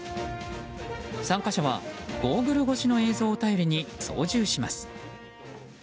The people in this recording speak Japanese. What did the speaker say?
参加者はゴーグル越しの映像を頼りに操縦します。